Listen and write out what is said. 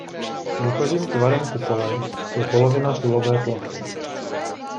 Výchozím tvarem kupole je polovina kulové plochy.